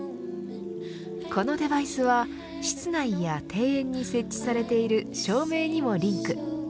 このデバイスは室内や庭園に設置されている照明にもリンク。